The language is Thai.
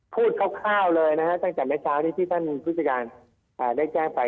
พูดคร่าวเลยนะครับตั้งแต่เมื่อเช้าที่ท่านพฤศการได้แจ้งไป